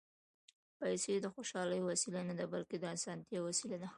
پېسې د خوشالۍ وسیله نه ده، بلکې د اسانتیا وسیله ده.